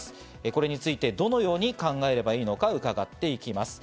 これについてどのように考えればいいのか伺っていきます。